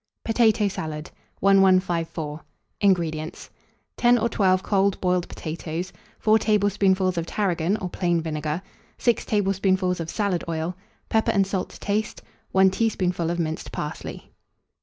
POTATO SALAD. 1154. INGREDIENTS. 10 or 12 cold boiled potatoes, 4 tablespoonfuls of tarragon or plain vinegar, 6 tablespoonfuls of salad oil, pepper and salt to taste, 1 teaspoonful of minced parsley.